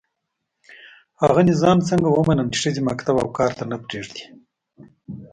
هغه نظام څنګه ومنم چي ښځي مکتب او کار ته نه پزېږدي